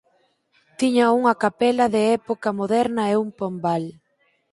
Tiña unha capela de época moderna e un pombal.